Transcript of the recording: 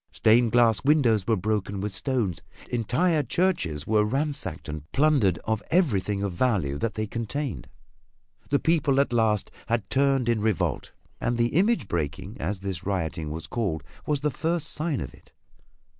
Stained glass windows were broken with stones; entire churches were ransacked and plundered of everything of value that they contained. The people at last had turned in revolt, and "the image breaking" as this rioting was called, was the first sign of it.